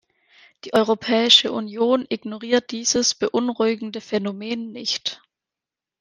Die Europäische Union ignoriert dieses beunruhigende Phänomen nicht.